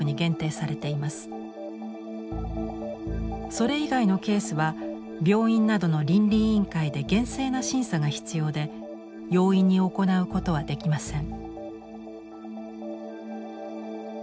それ以外のケースは病院などの倫理委員会で厳正な審査が必要で容易に行うことはできません。